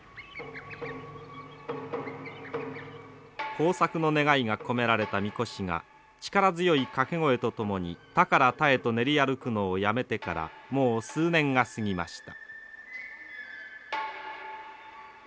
豊作の願いが込められたみこしが力強い掛け声とともに田から田へと練り歩くのをやめてからもう数年が過ぎました。